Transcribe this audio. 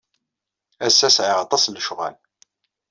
Ass-a, sɛiɣ aṭas n lecɣal.